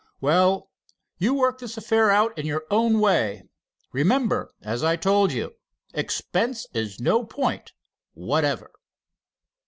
"Well, you work this affair out in your own way. Remember, as I told you, expense is no point whatever.